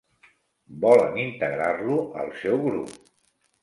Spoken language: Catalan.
Volen integrar-lo al seu grup.